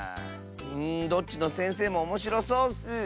うんどっちのせんせいもおもしろそうッス！